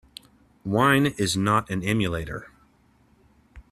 Wine is not an emulator.